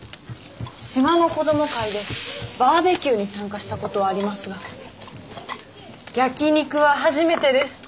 島の子ども会でバーベキューに参加したことはありますが焼き肉は初めてです。